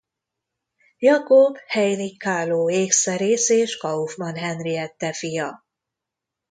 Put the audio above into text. Jakob Heinrich Kahlo ékszerész és Kaufmann Henriette fia.